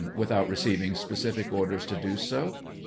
Without receiving specific orders to do so?